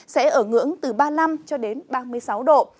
sẽ ở ngưỡng từ ba mươi năm cho đến ba mươi sáu độ